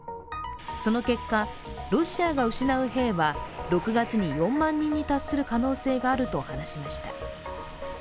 その結果、ロシアが失う兵は６月に４万人に達する可能性があると話しました。